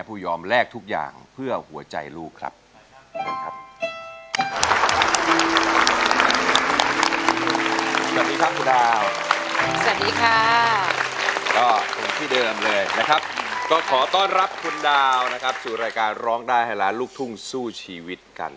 น่าจะเป็นครั้งที่๓แล้วล่ะอ๋อนี่ครั้งที่๓แล้ว